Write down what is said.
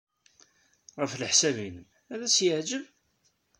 Ɣef leḥsab-nnem, ad as-yeɛjeb?